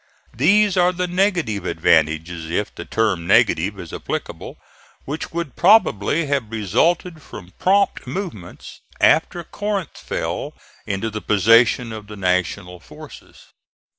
These are the negative advantages, if the term negative is applicable, which would probably have resulted from prompt movements after Corinth fell into the possession of the National forces.